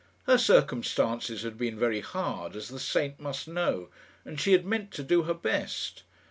Her circumstances had been very hard, as the saint must know, and she had meant to do her best.